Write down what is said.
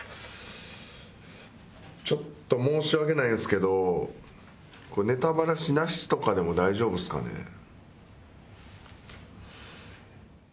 ちょっと申し訳ないんですけどこれネタバラシなしとかでも大丈夫ですかね？